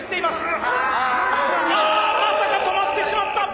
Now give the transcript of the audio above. まさか止まってしまった！